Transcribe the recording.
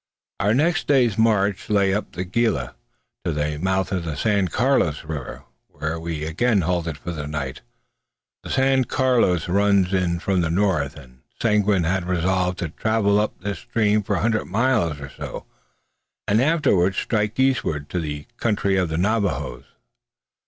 Our next day's march lay up the Gila, to the mouth of the San Carlos river, where we again halted for the night. The San Carlos runs in from the north; and Seguin had resolved to travel up this stream for a hundred miles or so, and afterwards strike eastward to the country of the Navajoes.